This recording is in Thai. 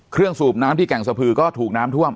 สูบน้ำที่แก่งสะพือก็ถูกน้ำท่วม